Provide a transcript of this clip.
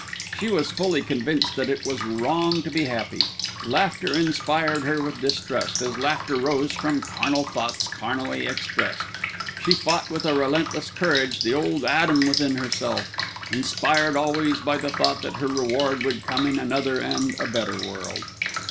She was fully convinced that it was wrong to be happy. Laughter inspired her with distrust, as laughter rose from carnal thoughts carnally expressed. She fought with a relentless courage the old Adam within herself, inspired always by the thought that her reward would come in another and a better world.